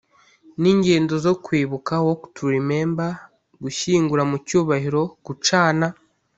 n ingendo zo kwibuka walk to remember gushyingura mu cyubahiro gucana